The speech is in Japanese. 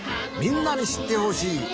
みんなにしってほしい